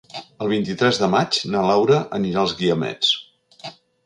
El vint-i-tres de maig na Laura anirà als Guiamets.